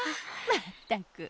まったく！